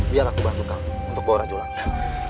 biar aku bantu kamu untuk bawa rajuannya